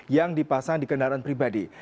yang dipasang di kendaraan pribadi